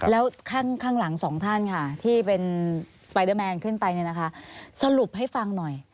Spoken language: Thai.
แล้วข้างหลังสองท่านค่ะที่เป็นสไปเดอร์แมนขึ้นไปเนี่ยนะคะสรุปให้ฟังหน่อย